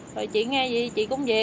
rồi chị nghe gì chị cũng về